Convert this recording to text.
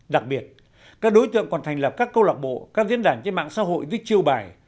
đặc biệt các đối tượng còn thành lập các câu lạc bộ các diễn đàn trên mạng xã hội với chiêu bài